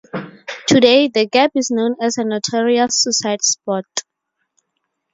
Today, The Gap is known as a notorious suicide spot.